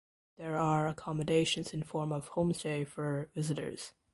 There are accommodations in form of homestay for visitors.